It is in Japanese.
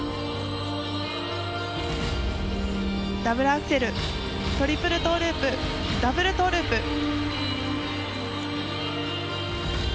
ダブルアクセル・トリプルトーループ・ダブルトーループ。